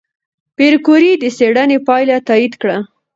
پېیر کوري د څېړنې پایله تایید کړه.